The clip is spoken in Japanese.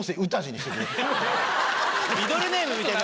ミドルネームみたいに。